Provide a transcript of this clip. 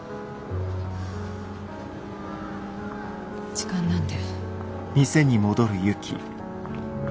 時間なんで。